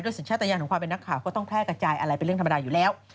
สัญชาติยานของความเป็นนักข่าวก็ต้องแพร่กระจายอะไรเป็นเรื่องธรรมดาอยู่แล้ว